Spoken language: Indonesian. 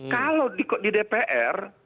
kalau di dpr